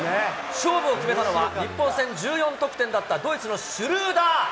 勝負を決めたのは、日本戦１４得点だったドイツのシュルーダー。